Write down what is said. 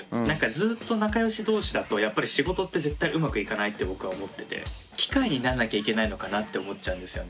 ずっと仲良し同士だとやっぱり仕事って絶対うまくいかないって僕は思ってて機械になんなきゃいけないのかなって思っちゃうんですよね。